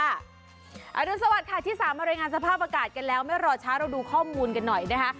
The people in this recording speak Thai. รุนสวัสดิ์ที่สามมารายงานสภาพอากาศกันแล้วไม่รอช้าเราดูข้อมูลกันหน่อยนะคะ